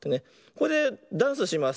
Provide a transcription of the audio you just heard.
これでダンスします。